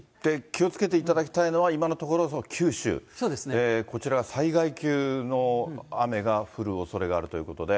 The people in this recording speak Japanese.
気をつけていただきたいのは、今のところ、九州、こちらが災害級の雨が降るおそれがあるということで。